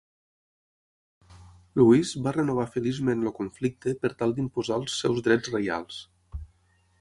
Louis va renovar feliçment el conflicte per tal d'imposar els seus drets reials.